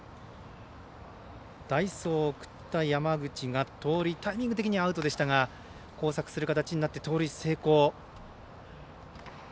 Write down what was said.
代走、送った山口が盗塁、タイミング的にはアウトでしたが交錯する形になって盗塁成功。